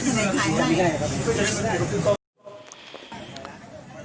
ผู้หญิงผู้ชายคนไหนจำได้ไหมคนไหนขายได้